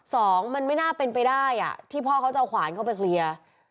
สองมันไม่น่าเป็นไปได้อ่ะที่พ่อเขาจะเอาขวานเข้าไปเคลียร์